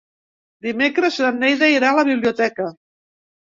Dimecres na Neida irà a la biblioteca.